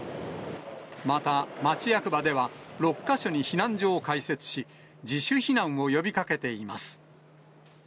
また、町役場では６か所に避難所を開設し、自主避難を呼びかけています。